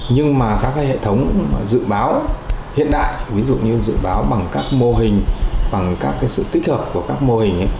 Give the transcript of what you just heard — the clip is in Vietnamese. nhưng mà các hệ thống dự báo hiện đại ví dụ như dự báo bằng các mô hình bằng các sự tích hợp của các mô hình